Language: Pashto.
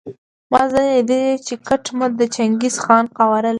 ما ځینې لیدلي دي چې کټ مټ د چنګیز خان قوارې لري.